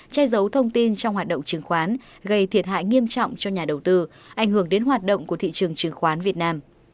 che giấu thông tin trong hoạt động chứng khoán gây thiệt hại nghiêm trọng cho nhà đầu tư ảnh hưởng đến hoạt động của thị trường chứng khoán việt nam